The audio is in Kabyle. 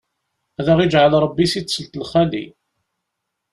Ad aɣ-iǧɛel Ṛebbi si ttelt lbaqi!